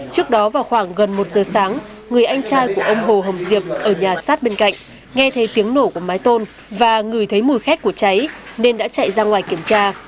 trước đó vào khoảng gần một giờ sáng người anh trai của ông hồ hồng diệp ở nhà sát bên cạnh nghe thấy tiếng nổ của mái tôn và ngửi thấy mùi khét của cháy nên đã chạy ra ngoài kiểm tra